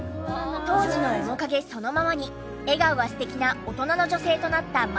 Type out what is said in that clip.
当時の面影そのままに笑顔が素敵な大人の女性となった万里さん。